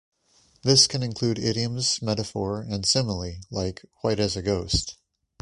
This can include idioms, metaphor, and simile, like, white as a ghost.